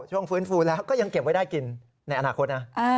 ฟื้นฟูแล้วก็ยังเก็บไว้ได้กินในอนาคตนะ